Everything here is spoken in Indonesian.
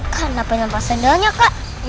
kenapa nyampas sendalnya kak